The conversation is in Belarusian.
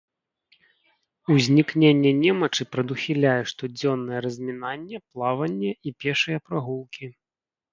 Узнікненне немачы прадухіляе штодзённае размінанне, плаванне і пешыя прагулкі.